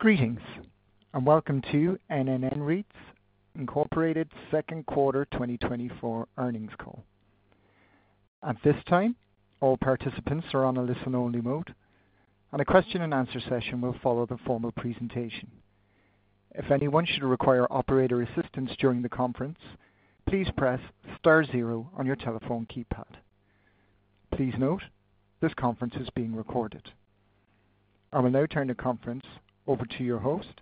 Greetings, and welcome to NNN REIT Incorporated second quarter 2024 earnings call. At this time, all participants are on a listen-only mode, and a question-and-answer session will follow the formal presentation. If anyone should require operator assistance during the conference, please press star zero on your telephone keypad. Please note, this conference is being recorded. I will now turn the conference over to your host,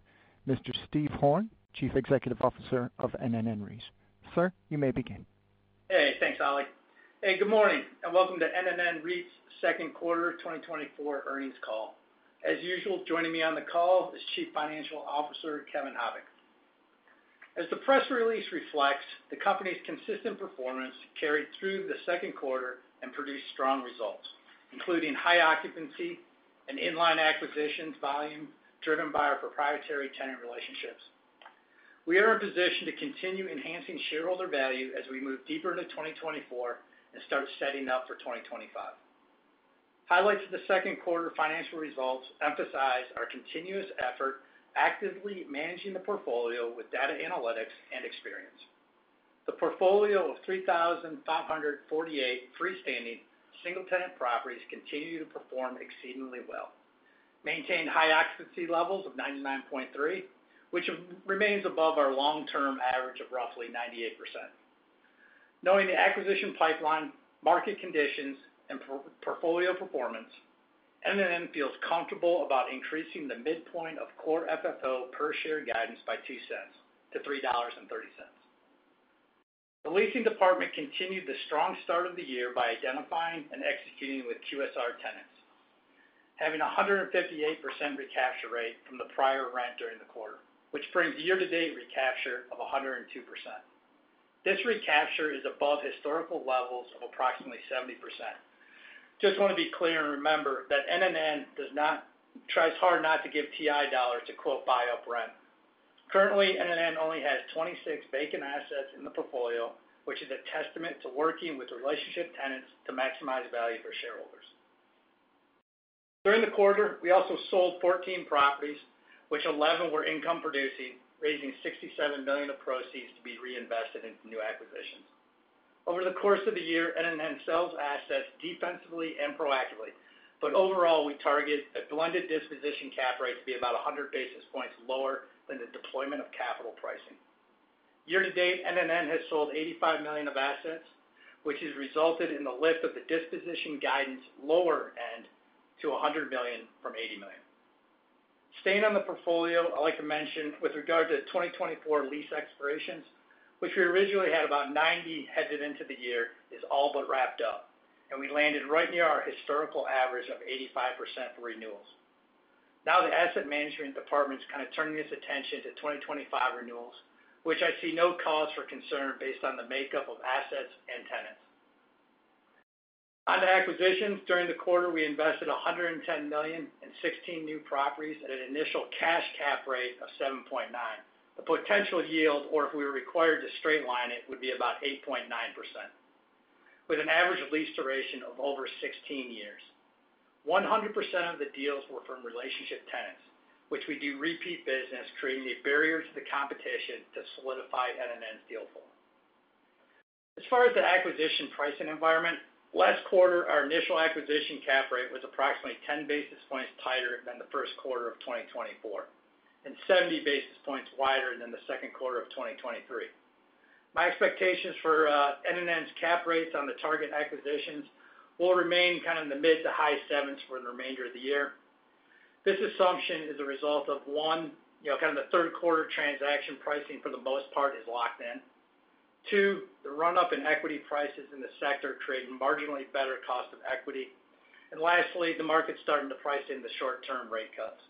Mr. Steve Horn, Chief Executive Officer of NNN REIT. Sir, you may begin. Hey, thanks, Ollie. Hey, good morning, and welcome to NNN REIT's second quarter 2024 earnings call. As usual, joining me on the call is Chief Financial Officer, Kevin Habicht. As the press release reflects, the company's consistent performance carried through the second quarter and produced strong results, including high occupancy and in-line acquisitions volume, driven by our proprietary tenant relationships. We are in a position to continue enhancing shareholder value as we move deeper into 2024 and start setting up for 2025. Highlights of the second quarter financial results emphasize our continuous effort, actively managing the portfolio with data analytics and experience. The portfolio of 3,548 freestanding single-tenant properties continue to perform exceedingly well, maintain high occupancy levels of 99.3, which remains above our long-term average of roughly 98%. Knowing the acquisition pipeline, market conditions, and portfolio performance, NNN feels comfortable about increasing the midpoint of Core FFO per share guidance by $0.02 to $3.30. The leasing department continued the strong start of the year by identifying and executing with QSR tenants, having a 158% recapture rate from the prior rent during the quarter, which brings year-to-date recapture of 102%. This recapture is above historical levels of approximately 70%. Just want to be clear, and remember that NNN does not, tries hard not to give TI dollars to, "buy up rent." Currently, NNN only has 26 vacant assets in the portfolio, which is a testament to working with relationship tenants to maximize value for shareholders. During the quarter, we also sold 14 properties, of which 11 were income producing, raising $67 million of proceeds to be reinvested into new acquisitions. Over the course of the year, NNN sells assets defensively and proactively, but overall, we target a blended disposition cap rate to be about 100 basis points lower than the deployment of capital pricing. Year to date, NNN has sold $85 million of assets, which has resulted in the lift of the disposition guidance lower end to $100 million from $80 million. Staying on the portfolio, I'd like to mention with regard to 2024 lease expirations, which we originally had about 90 headed into the year, is all but wrapped up, and we landed right near our historical average of 85% for renewals. Now, the asset management department is kind of turning its attention to 2025 renewals, which I see no cause for concern based on the makeup of assets and tenants. On to acquisitions. During the quarter, we invested $110 million in 16 new properties at an initial cash cap rate of 7.9. The potential yield, or if we were required to straight-line it, would be about 8.9%, with an average lease duration of over 16 years. 100% of the deals were from relationship tenants, which we do repeat business, creating a barrier to the competition to solidify NNN's deal flow. As far as the acquisition pricing environment, last quarter, our initial acquisition cap rate was approximately 10 basis points tighter than the first quarter of 2024, and 70 basis points wider than the second quarter of 2023. My expectations for NNN's cap rates on the target acquisitions will remain kind of in the mid to high sevens for the remainder of the year. This assumption is a result of, one, you know, kind of the third quarter transaction pricing for the most part is locked in. Two, the run-up in equity prices in the sector create marginally better cost of equity. And lastly, the market's starting to price in the short-term rate cuts.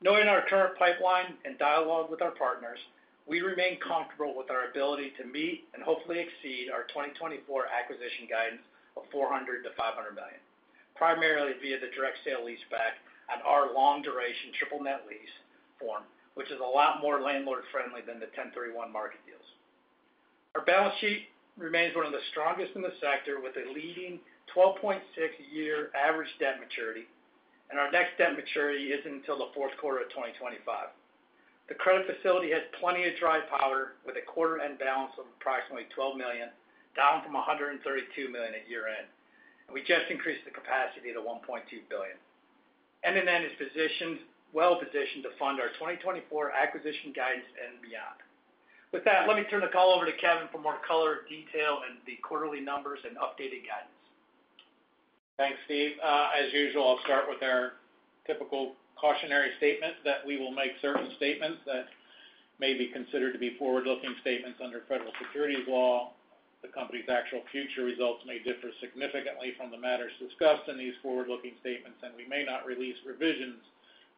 Knowing our current pipeline and dialogue with our partners, we remain comfortable with our ability to meet and hopefully exceed our 2024 acquisition guidance of $400 million-$500 million, primarily via the direct sale leaseback on our long-duration triple net lease form, which is a lot more landlord-friendly than the 1031 market deals. Our balance sheet remains one of the strongest in the sector, with a leading 12.6-year average debt maturity, and our next debt maturity isn't until the fourth quarter of 2025. The credit facility has plenty of dry powder, with a quarter-end balance of approximately $12 million, down from $132 million at year-end. And we just increased the capacity to $1.2 billion. NNN is well positioned to fund our 2024 acquisition guidance and beyond. With that, let me turn the call over to Kevin for more color, detail and the quarterly numbers and updated guidance. Thanks, Steve. As usual, I'll start with our typical cautionary statement, that we will make certain statements that may be considered to be forward-looking statements under federal securities law. The company's actual future results may differ significantly from the matters discussed in these forward-looking statements, and we may not release revisions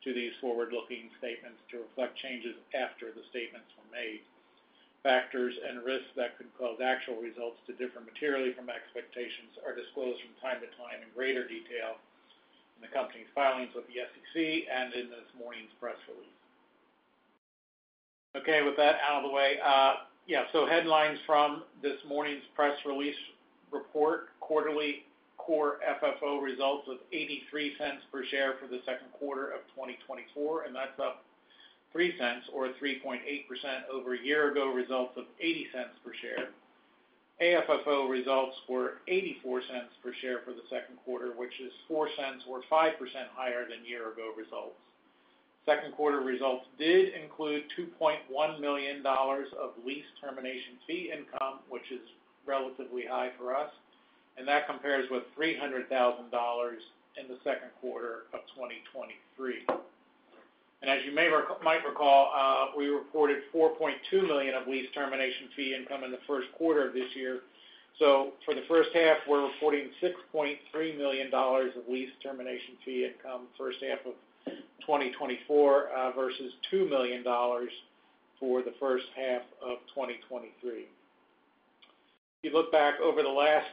to these forward-looking statements to reflect changes after the statements were made. Factors and risks that could cause actual results to differ materially from expectations are disclosed from time to time in greater detail in the company's filings with the SEC and in this morning's press release.... Okay, with that out of the way, yeah, so headlines from this morning's press release report quarterly Core FFO results of $0.83 per share for the second quarter of 2024, and that's up $0.03 or 3.8% over a year ago results of $0.80 per share. AFFO results were $0.84 per share for the second quarter, which is $0.04 or 5% higher than year-ago results. Second quarter results did include $2.1 million of lease termination fee income, which is relatively high for us, and that compares with $300,000 in the second quarter of 2023. And as you may recall, we reported $4.2 million of lease termination fee income in the first quarter of this year. So for the first half, we're reporting $6.3 million of lease termination fee income, first half of 2024, versus $2 million for the first half of 2023. If you look back over the last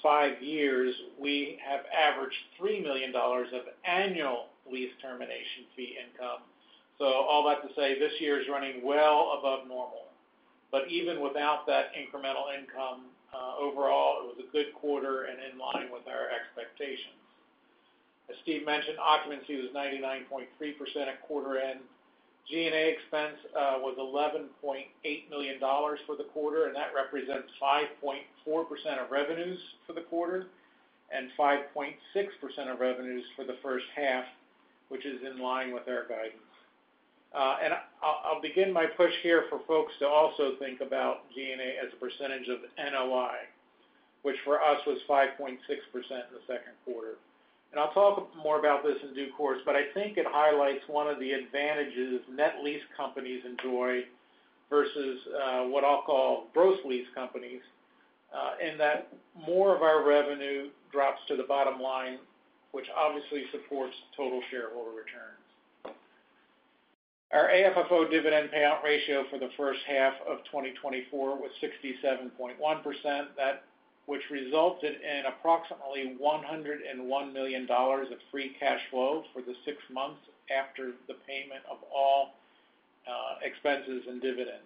five years, we have averaged $3 million of annual lease termination fee income. So all that to say, this year is running well above normal. But even without that incremental income, overall, it was a good quarter and in line with our expectations. As Steve mentioned, occupancy was 99.3% at quarter end. G&A expense was $11.8 million for the quarter, and that represents 5.4% of revenues for the quarter, and 5.6% of revenues for the first half, which is in line with our guidance. and I'll begin my push here for folks to also think about G&A as a percentage of NOI, which for us was 5.6% in the second quarter. And I'll talk more about this in due course, but I think it highlights one of the advantages net lease companies enjoy versus, what I'll call gross lease companies, in that more of our revenue drops to the bottom line, which obviously supports total shareholder returns. Our AFFO dividend payout ratio for the first half of 2024 was 67.1%. That which resulted in approximately $101 million of free cash flow for the six months after the payment of all, expenses and dividends.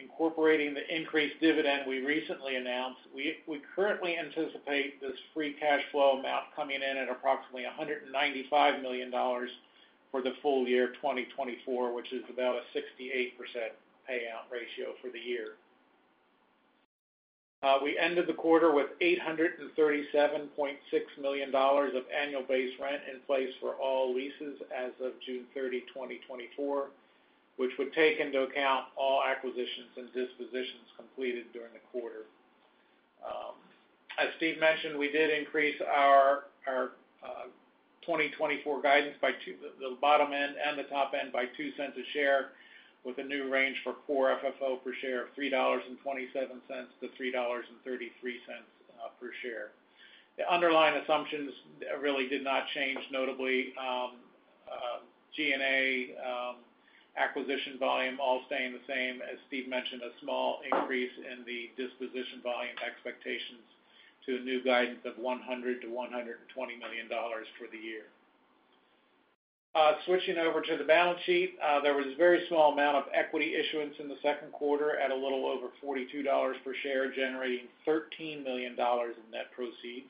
Incorporating the increased dividend we recently announced, we currently anticipate this free cash flow amount coming in at approximately $195 million for the full year of 2024, which is about a 68% payout ratio for the year. We ended the quarter with $837.6 million of annual base rent in place for all leases as of June 30, 2024, which would take into account all acquisitions and dispositions completed during the quarter. As Steve mentioned, we did increase our 2024 guidance by the bottom end and the top end by $0.02 per share, with a new range for Core FFO per share of $3.27-$3.33 per share. The underlying assumptions really did not change notably. G&A, acquisition volume, all staying the same. As Steve mentioned, a small increase in the disposition volume expectations to a new guidance of $100 million-$120 million for the year. Switching over to the balance sheet, there was a very small amount of equity issuance in the second quarter at a little over $42 per share, generating $13 million in net proceeds.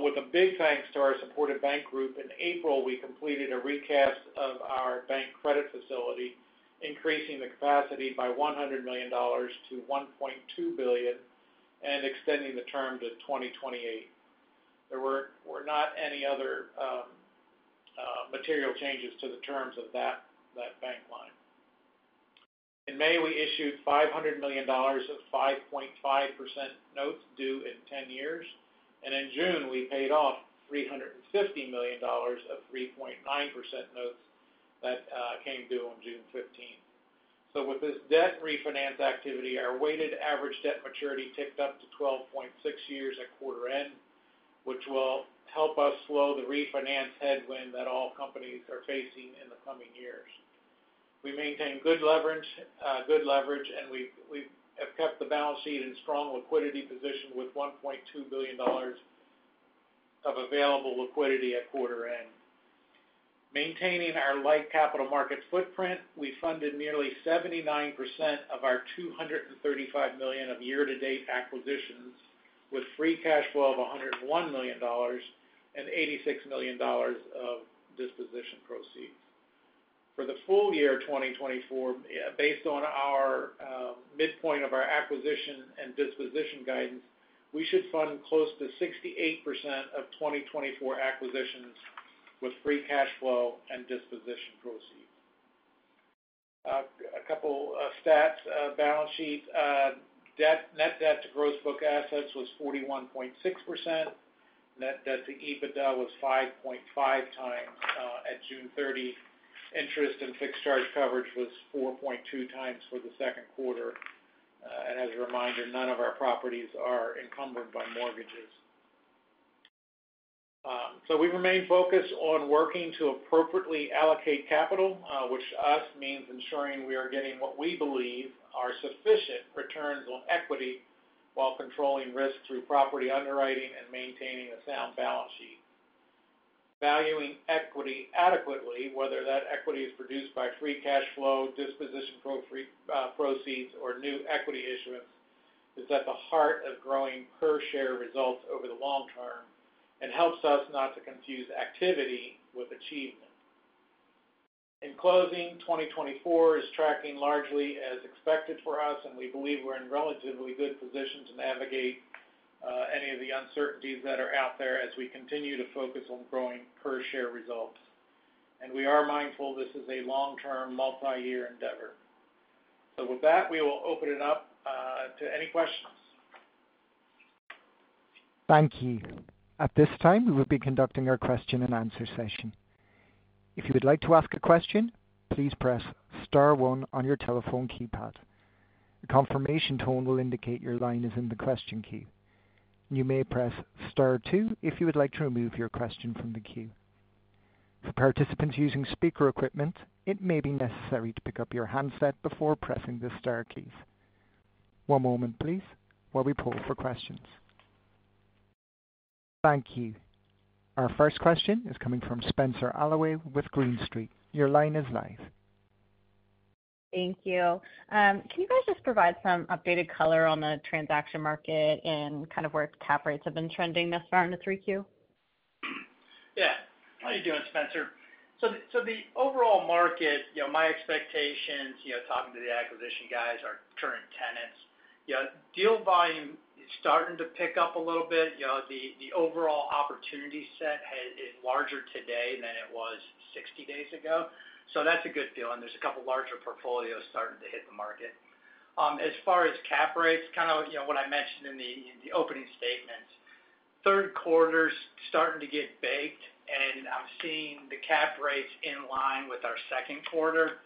With a big thanks to our supportive bank group, in April, we completed a recast of our bank credit facility, increasing the capacity by $100 million to $1.2 billion, and extending the term to 2028. There were not any other material changes to the terms of that bank line. In May, we issued $500 million of 5.5% notes due in 10 years, and in June, we paid off $350 million of 3.9% notes that came due on June 15th. So with this debt refinance activity, our weighted average debt maturity ticked up to 12.6 years at quarter end, which will help us slow the refinance headwind that all companies are facing in the coming years. We maintain good leverage, good leverage, and we have kept the balance sheet in strong liquidity position with $1.2 billion of available liquidity at quarter end. Maintaining our light capital markets footprint, we funded nearly 79% of our $235 million of year-to-date acquisitions, with free cash flow of $101 million and $86 million of disposition proceeds. For the full year of 2024, based on our, midpoint of our acquisition and disposition guidance, we should fund close to 68% of 2024 acquisitions with free cash flow and disposition proceeds. A couple of stats, balance sheet. Debt- net debt to gross book assets was 41.6%. Net debt to EBITDA was 5.5x, at June 30. Interest and fixed charge coverage was 4.2x for the second quarter. And as a reminder, none of our properties are encumbered by mortgages. So we remain focused on working to appropriately allocate capital, which to us means ensuring we are getting what we believe are sufficient returns on equity, while controlling risk through property underwriting and maintaining a sound balance sheet. Valuing equity adequately, whether that equity is produced by free cash flow, disposition proceeds, or new equity issuance, is at the heart of growing per share results over the long term and helps us not to confuse activity with achievement. In closing, 2024 is tracking largely as expected for us, and we believe we're in relatively good position to navigate any of the uncertainties that are out there as we continue to focus on growing per share results. And we are mindful this is a long-term, multi-year endeavor. So with that, we will open it up to any questions. Thank you. At this time, we will be conducting our question-and-answer session. If you would like to ask a question, please press star one on your telephone keypad. A confirmation tone will indicate your line is in the question queue. You may press star two if you would like to remove your question from the queue. For participants using speaker equipment, it may be necessary to pick up your handset before pressing the star keys. One moment please, while we pull for questions. Thank you. Our first question is coming from Spenser Allaway with Green Street. Your line is live. Thank you. Can you guys just provide some updated color on the transaction market and kind of where cap rates have been trending thus far in the 3Q? Yeah. How are you doing, Spenser? So the overall market, you know, my expectations, you know, talking to the acquisition guys, our current tenants, yeah, deal volume is starting to pick up a little bit. You know, the overall opportunity set is larger today than it was 60 days ago. So that's a good deal, and there's a couple larger portfolios starting to hit the market. As far as cap rates, kind of, you know what I mentioned in the opening statements, third quarter's starting to get baked, and I'm seeing the cap rates in line with our second quarter.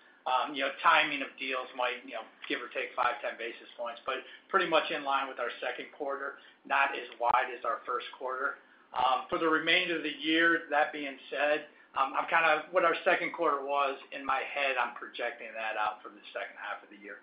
You know, timing of deals might, you know, give or take 5, 10 basis points, but pretty much in line with our second quarter, not as wide as our first quarter. For the remainder of the year, that being said, I'm kind of what our second quarter was, in my head, I'm projecting that out for the second half of the year.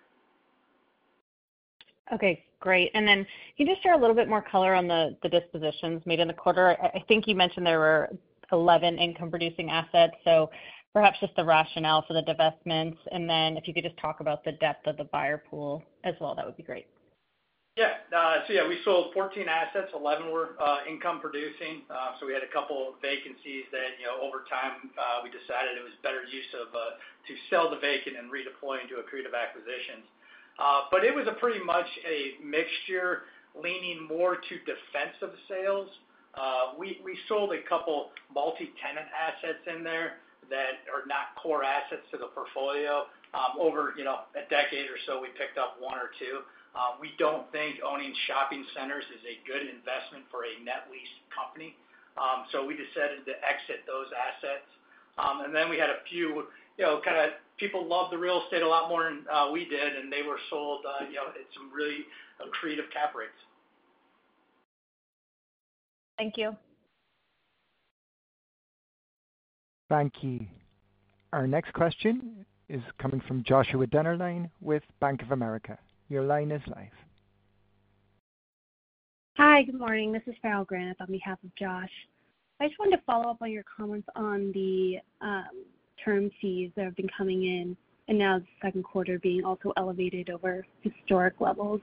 Okay, great. And then can you just share a little bit more color on the dispositions made in the quarter? I think you mentioned there were 11 income producing assets, so perhaps just the rationale for the divestments. And then if you could just talk about the depth of the buyer pool as well, that would be great. Yeah. So yeah, we sold 14 assets. 11 were income producing. So we had a couple vacancies that, you know, over time, we decided it was better use of to sell the vacant and redeploy into accretive acquisitions. But it was pretty much a mixture leaning more to defensive sales. We sold a couple multi-tenant assets in there that are not core assets to the portfolio. Over, you know, a decade or so, we picked up one or two. We don't think owning shopping centers is a good investment for a net lease company, so we decided to exit those assets. And then we had a few, you know, kind of people loved the real estate a lot more than we did, and they were sold, you know, at some really accretive cap rates. Thank you. Thank you. Our next question is coming from Joshua Dennerlein with Bank of America. Your line is live. Hi, good morning. This is Farrell Granath on behalf of Josh. I just wanted to follow up on your comments on the term fees that have been coming in, and now the second quarter being also elevated over historic levels.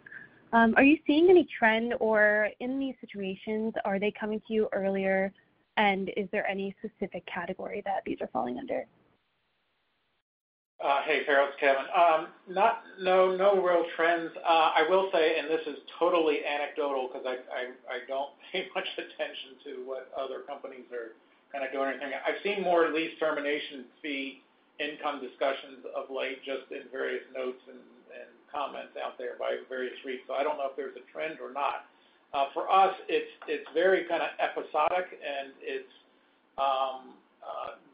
Are you seeing any trend, or in these situations, are they coming to you earlier, and is there any specific category that these are falling under? Hey, Farrell, it's Kevin. No, no real trends. I will say, and this is totally anecdotal because I don't pay much attention to what other companies are kind of doing or anything. I've seen more lease termination fee income discussions of late, just in various notes and comments out there by various REITs, so I don't know if there's a trend or not. For us, it's very kind of episodic, and it's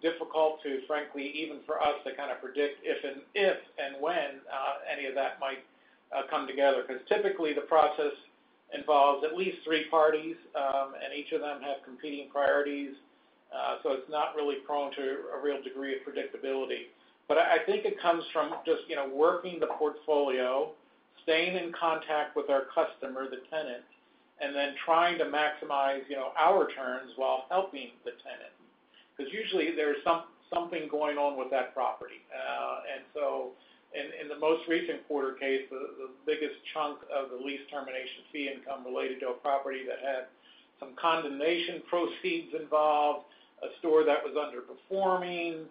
difficult to frankly, even for us to kind of predict if and when any of that might come together. Because typically the process involves at least three parties, and each of them have competing priorities. So it's not really prone to a real degree of predictability. But I think it comes from just, you know, working the portfolio, staying in contact with our customer, the tenant, and then trying to maximize, you know, our terms while helping the tenant. Because usually there's something going on with that property. And so in the most recent quarter case, the biggest chunk of the lease termination fee income related to a property that had some condemnation proceeds involved, a store that was underperforming.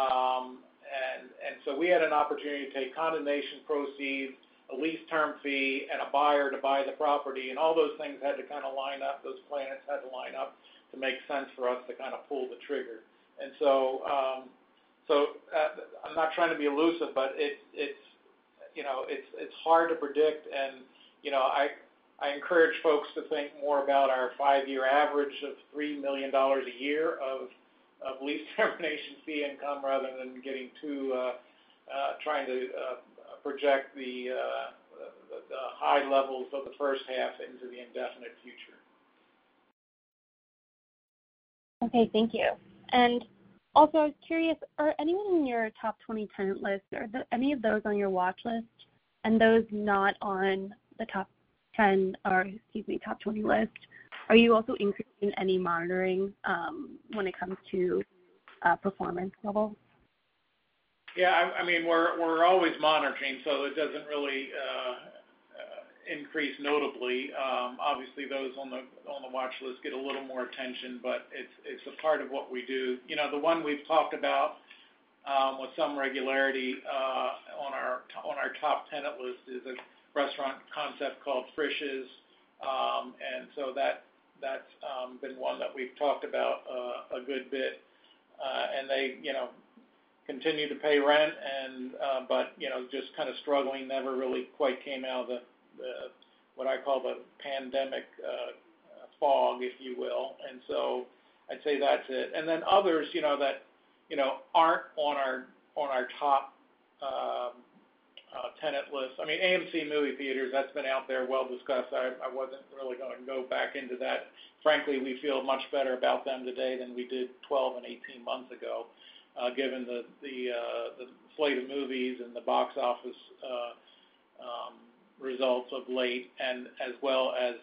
And so we had an opportunity to take condemnation proceeds, a lease term fee, and a buyer to buy the property, and all those things had to kind of line up, those planets had to line up to make sense for us to kind of pull the trigger. And so, I'm not trying to be elusive, but it, it's, you know, it's, it's hard to predict. You know, I encourage folks to think more about our 5-year average of $3 million a year of lease termination fee income rather than getting too trying to project the high levels of the first half into the indefinite future. Okay, thank you. Also, I was curious, are anyone in your top 20 tenant list, are there any of those on your watch list and those not on the top 10 or, excuse me, top 20 list? Are you also increasing any monitoring when it comes to performance levels? Yeah, I mean, we're always monitoring, so it doesn't really increase notably. Obviously, those on the watch list get a little more attention, but it's a part of what we do. You know, the one we've talked about with some regularity on our top tenant list is a restaurant concept called Frisch's. And so that's been one that we've talked about a good bit. And they, you know, continue to pay rent and, but, you know, just kind of struggling, never really quite came out of the what I call the pandemic fog, if you will. And so I'd say that's it. And then others, you know, that aren't on our top tenant list. I mean, AMC Theatres, that's been out there, well-discussed. I wasn't really going to go back into that. Frankly, we feel much better about them today than we did 12 and 18 months ago, given the slate of movies and the box office results of late, and as well as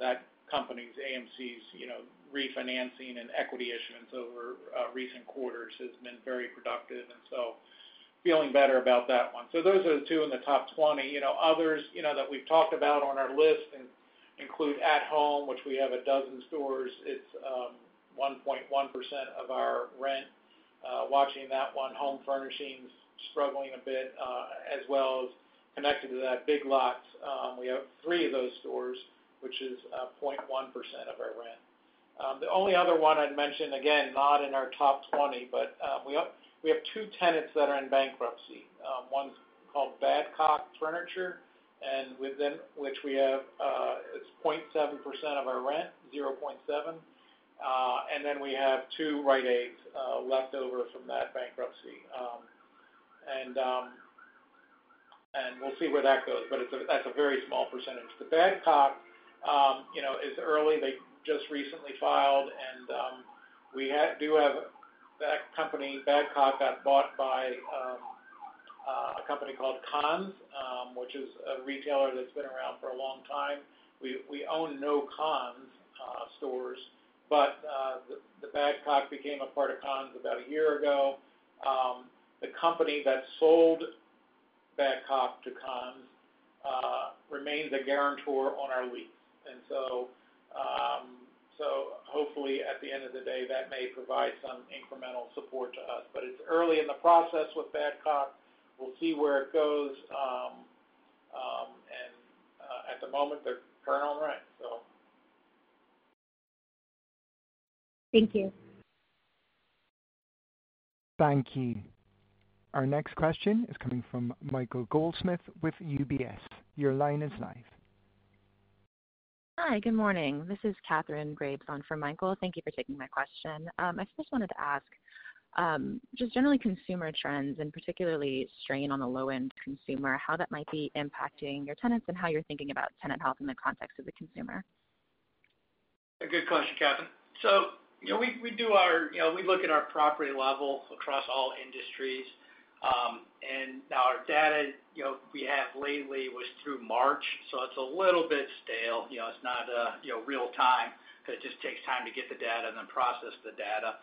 that company's, AMC's, you know, refinancing and equity issuance over recent quarters has been very productive, and so feeling better about that one. So those are the two in the top 20. You know, others, you know, that we've talked about on our list include At Home, which we have 12 stores. It's 1.1% of our rent, watching that one. Home Furnishings, struggling a bit, as well as connected to that, Big Lots, we have three of those stores, which is 0.1% of our rent. The only other one I'd mention, again, not in our top 20, but we have two tenants that are in bankruptcy. One's called Badcock Furniture, and within which we have, it's 0.7% of our rent, 0.7%. And then we have two Rite Aid left over from that bankruptcy. And we'll see where that goes, but it's a very small percentage. The Badcock, you know, it's early. They just recently filed, and we do have. That company, Badcock, got bought by a company called Conn's, which is a retailer that's been around for a long time. We own no Conn's stores, but the Badcock became a part of Conn's about a year ago. The company that sold Badcock to Conn's remains a guarantor on our lease. And so hopefully, at the end of the day, that may provide some incremental support to us. But it's early in the process with Badcock. We'll see where it goes. At the moment, they're current on rent, so. Thank you. Thank you. Our next question is coming from Michael Goldsmith with UBS. Your line is live. Hi, good morning. This is Kathryn Graves on for Michael. Thank you for taking my question. I just wanted to ask, just generally consumer trends, and particularly strain on the low-end consumer, how that might be impacting your tenants and how you're thinking about tenant health in the context of the consumer? A good question, Kathryn. So, you know, we do our, you know, we look at our property level across all industries. And our data, you know, we have lately was through March, so it's a little bit stale. You know, it's not, you know, real time, because it just takes time to get the data and then process the data.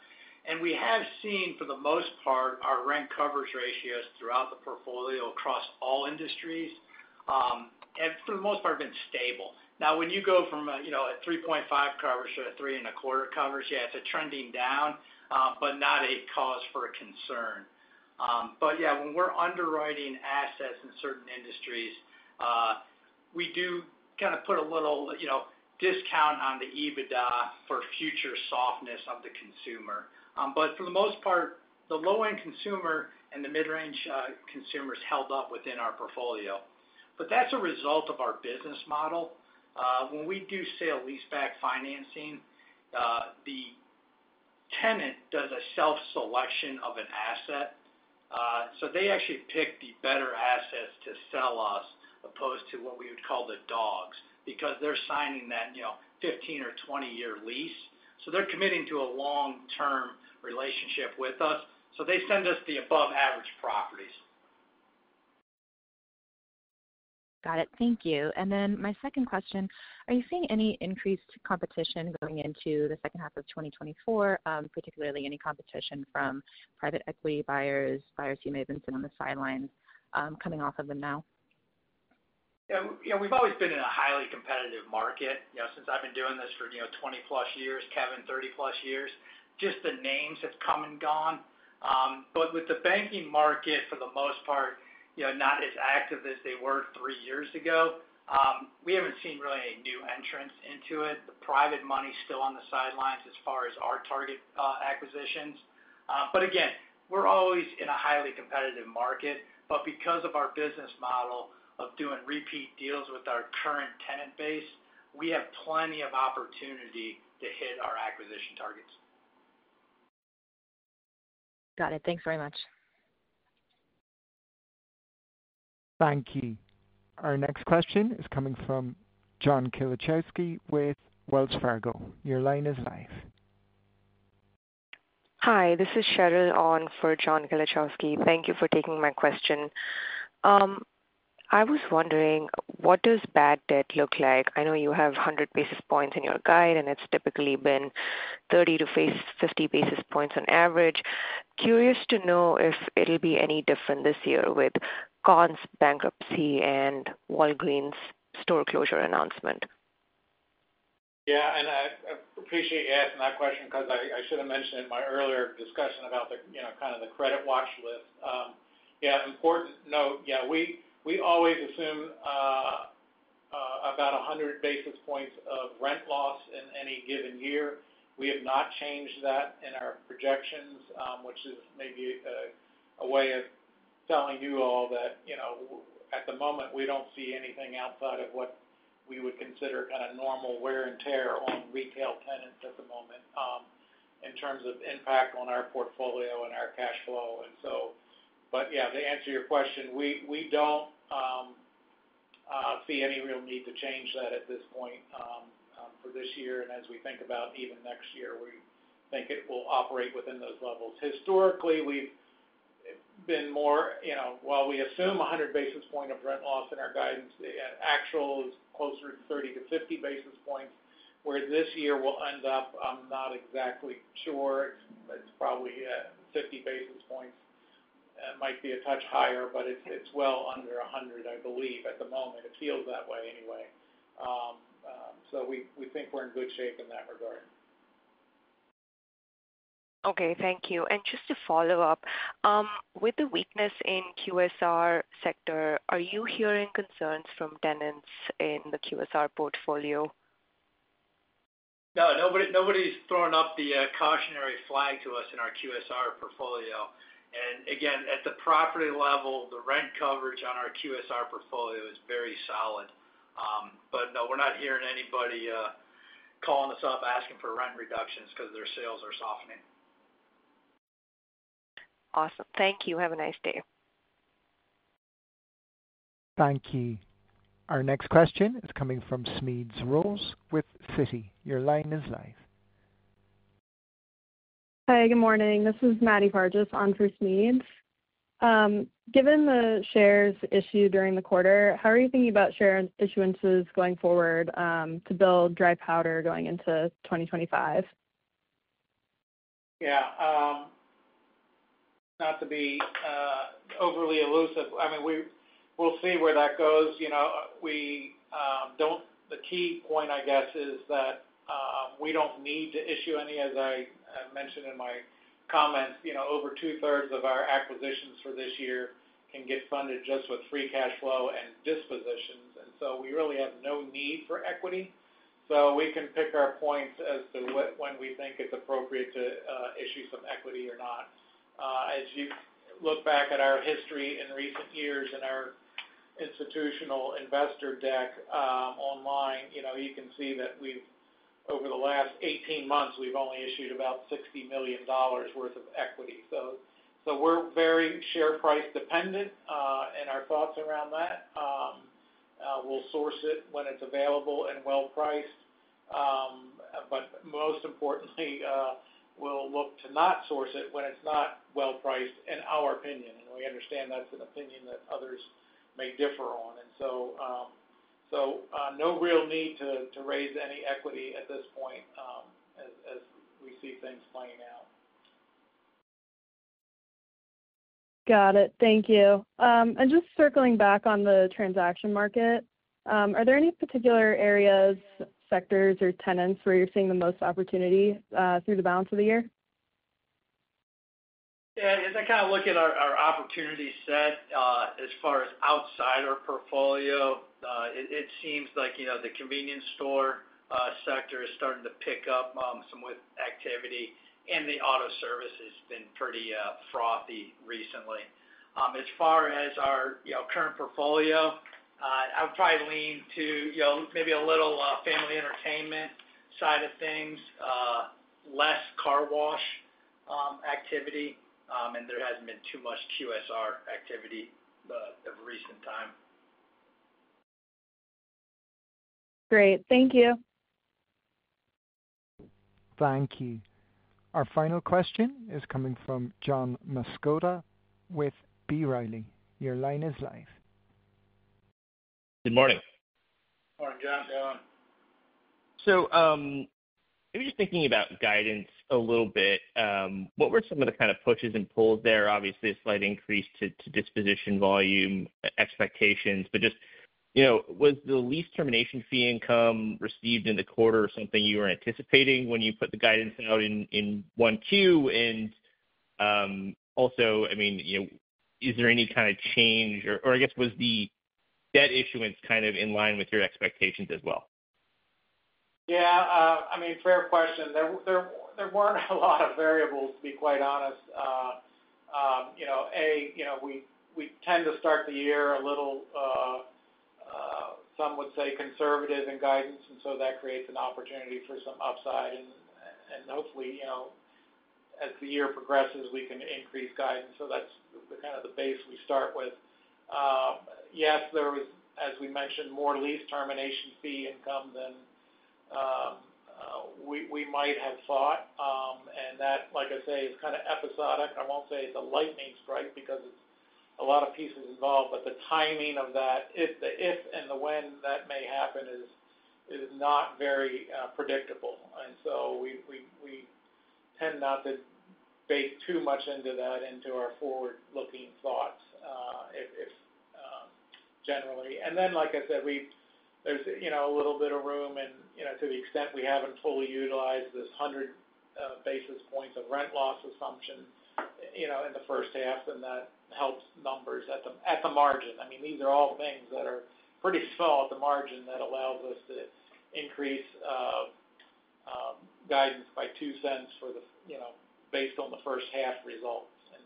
And we have seen, for the most part, our rent coverage ratios throughout the portfolio, across all industries, and for the most part, have been stable. Now, when you go from a, you know, a 3.5 coverage to a 3.25 coverage, yeah, it's a trending down, but not a cause for a concern. But yeah, when we're underwriting assets in certain industries, we do kind of put a little, you know, discount on the EBITDA for future softness of the consumer. But for the most part, the low-end consumer and the mid-range consumers held up within our portfolio. But that's a result of our business model. When we do sale-leaseback financing, the tenant does a self-selection of an asset. So they actually pick the better assets to sell us, opposed to what we would call the dogs, because they're signing that, you know, 15-year or 20-year lease. So they're committing to a long-term relationship with us, so they send us the above-average properties. Got it. Thank you. And then my second question, are you seeing any increased competition going into the second half of 2024? Particularly any competition from private equity buyers, buyers who may have been sitting on the sidelines, coming off of them now? Yeah, you know, we've always been in a highly competitive market. You know, since I've been doing this for, you know, 20+ years, Kevin, 30+ years, just the names have come and gone. But with the banking market, for the most part, you know, not as active as they were 3 years ago, we haven't seen really a new entrance into it. The private money's still on the sidelines as far as our target acquisitions. But again, we're always in a highly competitive market, but because of our business model of doing repeat deals with our current tenant base, we have plenty of opportunity to hit our acquisition targets. Got it. Thanks very much. ... Thank you. Our next question is coming from John Kilichowski with Wells Fargo. Your line is live. Hi, this is Cheryl on for John Kilichowski. Thank you for taking my question. I was wondering, what does bad debt look like? I know you have 100 basis points in your guide, and it's typically been 30 basis points-50 basis points on average. Curious to know if it'll be any different this year with Kohl's bankruptcy and Walgreens store closure announcement. Yeah, and I appreciate you asking that question because I should have mentioned in my earlier discussion about the, you know, kind of the credit watch list. Yeah, important note. Yeah, we always assume about 100 basis points of rent loss in any given year. We have not changed that in our projections, which is maybe a way of telling you all that, you know, at the moment, we don't see anything outside of what we would consider kind of normal wear and tear on retail tenants at the moment, in terms of impact on our portfolio and our cash flow. But yeah, to answer your question, we don't see any real need to change that at this point, for this year. As we think about even next year, we think it will operate within those levels. Historically, we've been more, you know, while we assume 100 basis points of rent loss in our guidance, the actual is closer to 30 basis points-50 basis points, where this year will end up, I'm not exactly sure. It's probably at 50 basis points. Might be a touch higher, but it's well under 100, I believe, at the moment. It feels that way anyway. So we think we're in good shape in that regard. Okay, thank you. Just to follow up, with the weakness in QSR sector, are you hearing concerns from tenants in the QSR portfolio? No, nobody, nobody's thrown up the cautionary flag to us in our QSR portfolio. And again, at the property level, the rent coverage on our QSR portfolio is very solid. But no, we're not hearing anybody calling us up, asking for rent reductions because their sales are softening. Awesome. Thank you. Have a nice day. Thank you. Our next question is coming from Smedes Rose with Citi. Your line is live. Hi, good morning. This is Maddie Fargis on for Smedes. Given the shares issued during the quarter, how are you thinking about share issuances going forward, to build dry powder going into 2025? Yeah, not to be overly elusive. I mean, we'll see where that goes. You know, we don't. The key point, I guess, is that we don't need to issue any, as I mentioned in my comments, you know, over two-thirds of our acquisitions for this year can get funded just with free cash flow and dispositions, and so we really have no need for equity. So we can pick our points as to what, when we think it's appropriate to issue some equity or not. As you look back at our history in recent years in our institutional investor deck, online, you know, you can see that over the last 18 months, we've only issued about $60 million worth of equity. So we're very share price dependent, and our thoughts around that, we'll source it when it's available and well-priced. But most importantly, we'll look to not source it when it's not well-priced, in our opinion, and we understand that's an opinion that others may differ on. And so, no real need to raise any equity at this point, as we see things playing out. Got it. Thank you. And just circling back on the transaction market, are there any particular areas, sectors, or tenants where you're seeing the most opportunity, through the balance of the year? Yeah, as I kind of look at our opportunity set, as far as outside our portfolio, it seems like, you know, the convenience store sector is starting to pick up some with activity, and the auto service has been pretty frothy recently. As far as our, you know, current portfolio, I would probably lean to, you know, maybe a little family entertainment side of things, less car wash activity, and there hasn't been too much QSR activity of recent time. Great. Thank you. Thank you. Our final question is coming from John Massocca with B. Riley. Your line is live. Good morning. Good morning, John, how are you? So, maybe just thinking about guidance a little bit, what were some of the kind of pushes and pulls there? Obviously, a slight increase to, to disposition volume expectations, but just, you know, was the lease termination fee income received in the quarter or something you were anticipating when you put the guidance out in, in 1Q? And, also, I mean, you know, is there any kind of change or, or I guess, was the debt issuance kind of in line with your expectations as well? Yeah, I mean, fair question. There weren't a lot of variables, to be quite honest. You know, A, you know, we tend to start the year a little, some would say, conservative in guidance, and so that creates an opportunity for some upside. And hopefully, you know, as the year progresses, we can increase guidance. So that's the kind of the base we start with. Yes, there was, as we mentioned, more lease termination fee income than we might have thought. And that, like I say, is kind of episodic. I won't say it's a lightning strike, because a lot of pieces involved, but the timing of that, if the if and the when that may happen is not very predictable. And so we tend not to bake too much into that, into our forward-looking thoughts, if generally. And then, like I said, there's, you know, a little bit of room and, you know, to the extent we haven't fully utilized this 100 basis points of rent loss assumption, you know, in the first half, then that helps numbers at the margin. I mean, these are all things that are pretty small at the margin that allows us to increase guidance by $0.02, you know, based on the first half results. And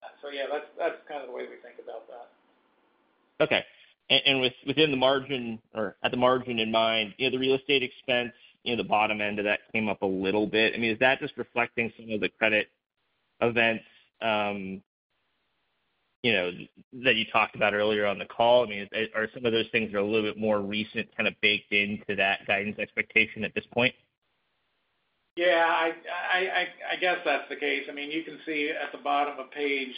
so, so yeah, that's kind of the way we think about that. Okay. Within the margin or at the margin in mind, you know, the real estate expense, you know, the bottom end of that came up a little bit. I mean, is that just reflecting some of the credit events, you know, that you talked about earlier on the call? I mean, are some of those things are a little bit more recent, kind of baked into that guidance expectation at this point? Yeah, I guess that's the case. I mean, you can see at the bottom of page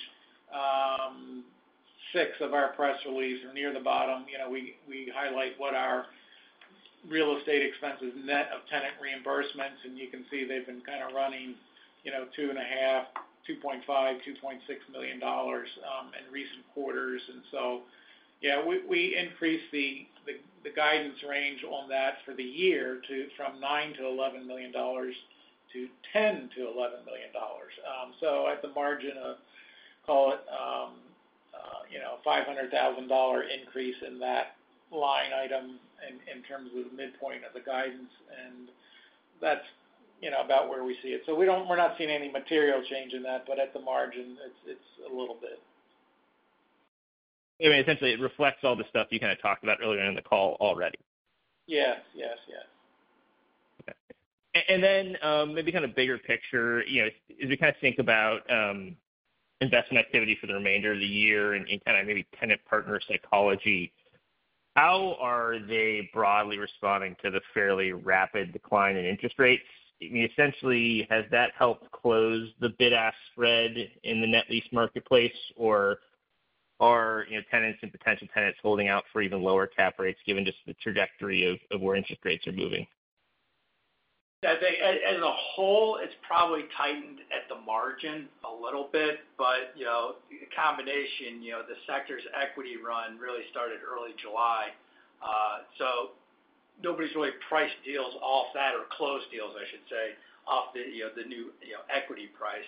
six of our press release or near the bottom, you know, we highlight what our real estate expenses, net of tenant reimbursements, and you can see they've been kind of running, you know, $2.5 million, $2.5 million, $2.6 million in recent quarters. And so, yeah, we increased the guidance range on that for the year to from $9 million-$11 million to $10 million-$11 million. So at the margin of, call it, you know, $500,000 increase in that line item in terms of the midpoint of the guidance, and that's, you know, about where we see it. So we don't, we're not seeing any material change in that, but at the margin, it's a little bit. I mean, essentially, it reflects all the stuff you kind of talked about earlier in the call already. Yes, yes, yes. Okay. And then, maybe kind of bigger picture, you know, as we kind of think about investment activity for the remainder of the year and kind of maybe tenant partner psychology, how are they broadly responding to the fairly rapid decline in interest rates? I mean, essentially, has that helped close the bid-ask spread in the net lease marketplace, or are, you know, tenants and potential tenants holding out for even lower cap rates, given just the trajectory of where interest rates are moving? I think as a whole, it's probably tightened at the margin a little bit, but, you know, the combination, you know, the sector's equity run really started early July. So nobody's really priced deals off that or closed deals, I should say, off the, you know, the new, you know, equity price.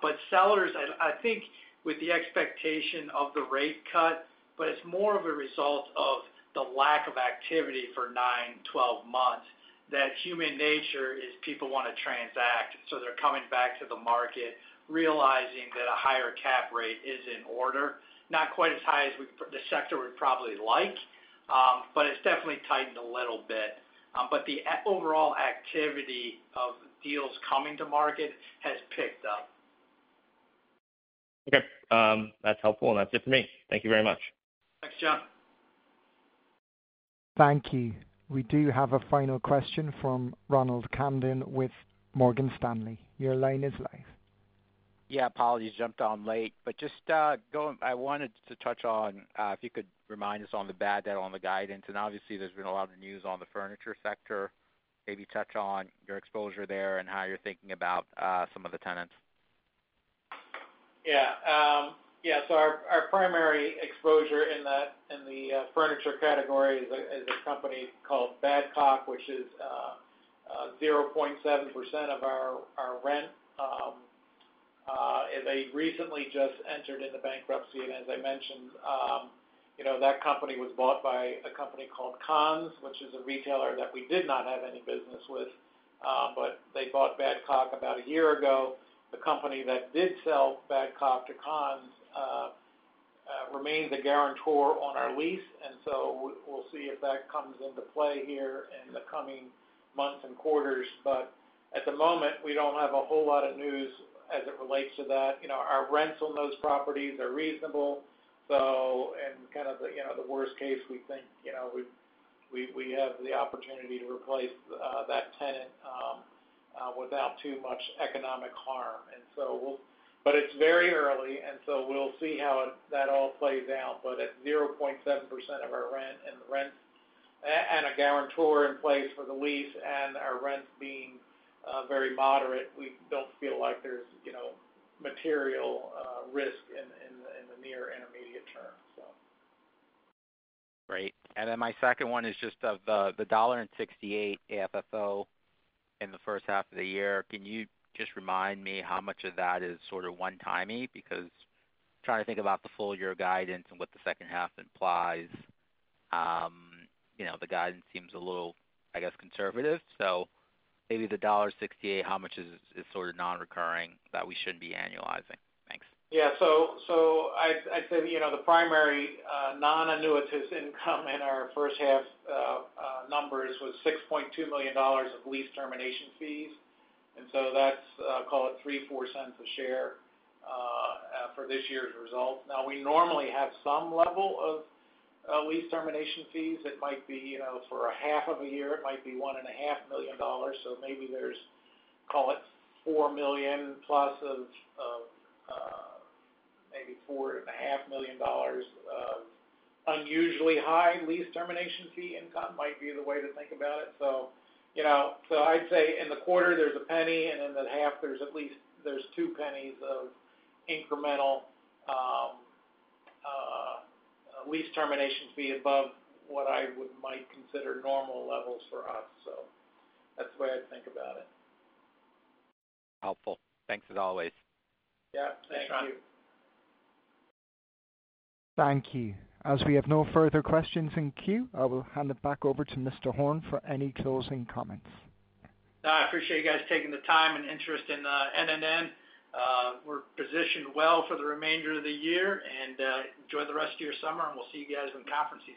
But sellers, I think with the expectation of the rate cut, but it's more of a result of the lack of activity for 9 months, 12 months, that human nature is people wanna transact, so they're coming back to the market, realizing that a higher cap rate is in order. Not quite as high as the sector would probably like, but it's definitely tightened a little bit. But the overall activity of deals coming to market has picked up. Okay. That's helpful, and that's it for me. Thank you very much. Thanks, John. Thank you. We do have a final question from Ronald Kamdem with Morgan Stanley. Your line is live. Yeah, apologies, jumped on late. But just, I wanted to touch on if you could remind us on the bad debt, on the guidance, and obviously there's been a lot of news on the furniture sector. Maybe touch on your exposure there and how you're thinking about some of the tenants. Yeah. Yeah, so our primary exposure in the furniture category is a company called Badcock, which is 0.7% of our rent. And they recently just entered into bankruptcy, and as I mentioned, you know, that company was bought by a company called Conn's, which is a retailer that we did not have any business with, but they bought Badcock about a year ago. The company that did sell Badcock to Conn's remained the guarantor on our lease, and so we'll see if that comes into play here in the coming months and quarters. But at the moment, we don't have a whole lot of news as it relates to that. You know, our rents on those properties are reasonable, so and kind of the, you know, the worst case, we think, you know, we have the opportunity to replace that tenant without too much economic harm. And so we'll... But it's very early, and so we'll see how it, that all plays out, but at 0.7% of our rent and the rent, and a guarantor in place for the lease and our rents being very moderate, we don't feel like there's, you know, material risk in the, in the, near and intermediate term, so. Great. And then my second one is just of the $1.68 AFFO in the first half of the year. Can you just remind me how much of that is sort of one-timey? Because trying to think about the full year guidance and what the second half implies, you know, the guidance seems a little, I guess, conservative. So maybe the $1.68, how much is sort of non-recurring that we should be annualizing? Thanks. Yeah. So, so I'd, I'd say, you know, the primary nonrecurring income in our first half numbers was $6.2 million of lease termination fees. And so that's call it $0.03-$0.04 a share for this year's results. Now, we normally have some level of lease termination fees. It might be, you know, for a half of a year, it might be $1.5 million, so maybe there's call it $4 million+ of maybe $4.5 million of unusually high lease termination fee income might be the way to think about it. So, you know, so I'd say in the quarter there's $0.01, and in the half, there's at least two pennies of incremental lease termination fee above what I might consider normal levels for us. So that's the way I'd think about it. Helpful. Thanks, as always. Yeah. Thanks, Ron. Thank you. Thank you. As we have no further questions in queue, I will hand it back over to Mr. Horn for any closing comments. I appreciate you guys taking the time and interest in NNN. We're positioned well for the remainder of the year, and enjoy the rest of your summer, and we'll see you guys in the conference season.